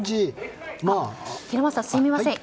すみません